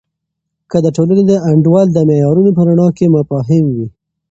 که د ټولنې د انډول د معیارونو په رڼا کې مفاهیم وي.